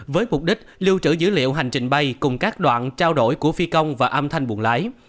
với mục đích lưu trữ dữ liệu hành trình bay cùng các đoạn trao đổi của phi công và âm thanh buồn lái